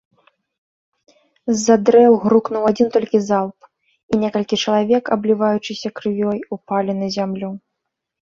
З-за дрэў грукнуў адзін толькі залп, і некалькі чалавек, абліваючыся крывёй, упалі на зямлю.